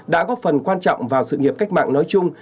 đã góp phần quan trọng vào sự nghiệp cách mạng nói chung